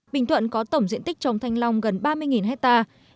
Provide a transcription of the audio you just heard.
bình thuận có tổng diện tích trồng thanh long gần ba mươi hectare